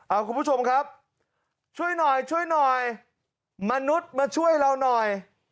เอาคุณผู้ชมครับช่วยหน่อยช่วยหน่อยมนุษย์มาช่วยเราหน่อย